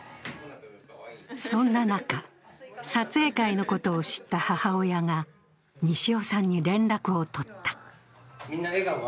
そんな中、撮影会のことを知った母親が西尾さんに連絡を取った。